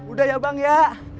udah ya bang ya